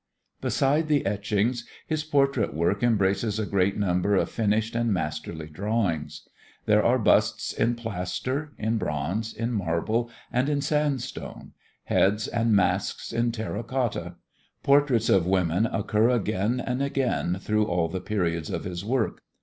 Beside the etchings, his portrait work embraces a great number of finished and masterly drawings. There are busts in plaster, in bronze, in marble and in sand stone, heads and masks in terra cotta. Portraits of women occur again and again through all the periods of his work.